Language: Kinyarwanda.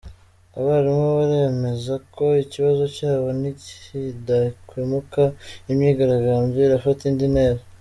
Abarimu baremeza ko ikibazo cyabo nikidakemuka imyigaragambyo irafata indi ntera.